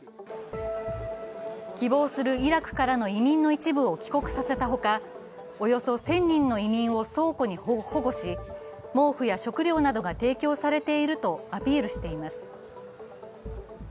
希望するイラクからの移民の一部を帰国させたほかおよそ１０００人の移民を倉庫に保護し、毛布や食料などが提供されているとアピールしています。